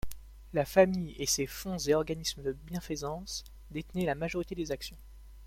La famille et ses fonds et organismes de bienfaisance détenaient la majorité des actions.